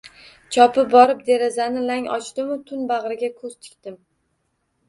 Chopib borib, derazani lang ochdim-u, tun bag`riga ko`z tikdim